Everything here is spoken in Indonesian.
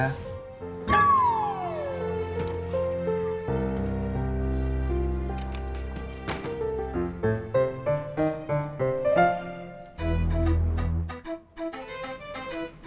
ah mas pur ah citra